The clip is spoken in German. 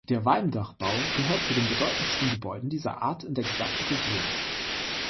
Der Walmdachbau gehört zu den bedeutendsten Gebäuden dieser Art in der gesamten Region.